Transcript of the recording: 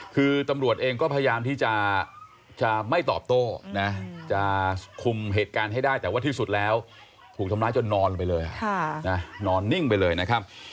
คือตำรวจเองก็พยายามที่จะไม่ตอบโต้นะจะคุมเหตุการณ์ให้ได้แต่ว่าที่สุดแล้วถูกทำร้ายจนนอนลงไปเลยนอนนิ่งไปเลยนะครับ